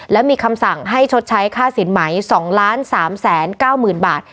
และมีคำสั่งให้ชดใช้ค่าสินไหม๒๓๙๐๐๐บาท